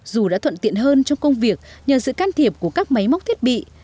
dù đã thuận tiện hơn trong công việc nhờ sự can thiệp của các máy móc thiết bị